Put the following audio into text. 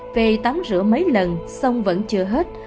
về tắm rửa mấy lần xong vẫn chưa hết